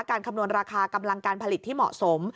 คำนวณราคากำลังการผลิตที่เหมาะสม